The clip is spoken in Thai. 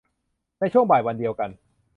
ในช่วงบ่ายวันเดียวกัน